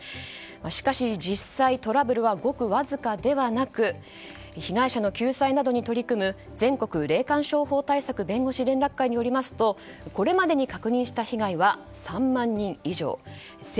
しかし実際、トラブルはごくわずかではなく被害者の救済などに取り組む全国霊感商法対策弁護士連絡会によりますとこれまでに確認した被害は３万人以上。